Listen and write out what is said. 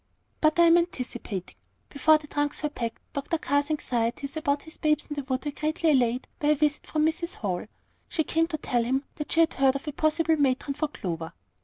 But I am anticipating. Before the trunks were packed, Dr. Carr's anxieties about his "Babes in the Wood" were greatly allayed by a visit from Mrs. Hall. She came to tell him that she had heard of a possible "matron" for Clover.